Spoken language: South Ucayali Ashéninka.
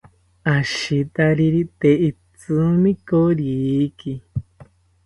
Ashitariri tee itrsimi koriki